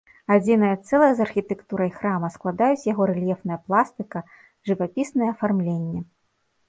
Адзінае цэлае з архітэктурай храма складаюць яго рэльефная пластыка, жывапіснае афармленне.